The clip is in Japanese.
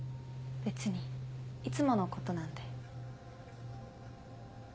別にいつものことなんで。